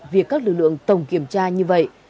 việc các lực lượng tổng kiểm tra như vậy